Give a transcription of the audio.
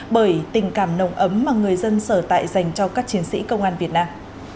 bởi tình cảm nồng ấm mà người dân sở tại dành cho các chiến sĩ công an việt nam